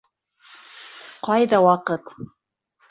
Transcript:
Ҡайҙа ваҡыт?!